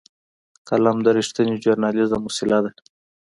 قلم د رښتینې ژورنالېزم وسیله ده